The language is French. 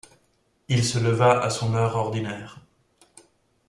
Il se leva à son heure ordinaire.